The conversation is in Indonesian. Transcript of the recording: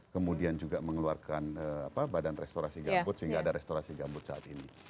kemudian juga mengeluarkan badan restorasi gambut sehingga ada restorasi gambut saat ini